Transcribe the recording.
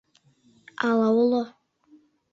Ала уло?